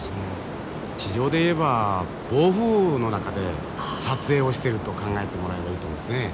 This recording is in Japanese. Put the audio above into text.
地上で言えば暴風雨の中で撮影をしてると考えてもらえばいいと思いますね。